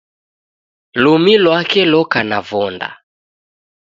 Lumi lwake loka na vonda